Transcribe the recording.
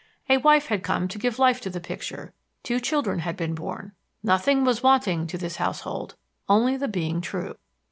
A wife had come to give life to the picture; two children had been born. Nothing was wanting to this household, only the being true....